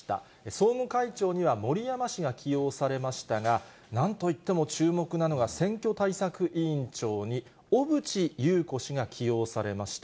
総務会長には森山氏が起用されましたが、なんといっても注目なのが、選挙対策委員長に、小渕優子氏が起用されました。